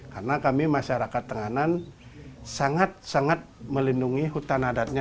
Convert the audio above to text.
karena kami masyarakat tenganan sangat sangat melindungi hutan adatnya